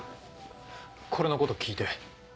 これのこと聞いて。